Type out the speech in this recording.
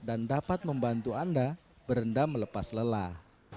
dan dapat membantu anda berendam melepas lelah